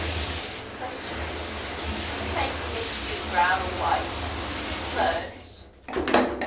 Question. In making this stew brown or white do you use bones?